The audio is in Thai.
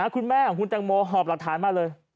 คุณแม่ของคุณแตงโมหอบหลักฐานมาเลย